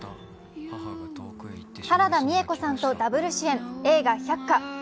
原田美枝子さんとダブル主演、映画「百花」。